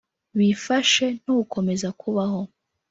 bifashe no gukomeza kubaho